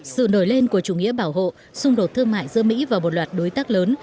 sự nổi lên của chủ nghĩa bảo hộ xung đột thương mại giữa mỹ và một loạt đối tác lớn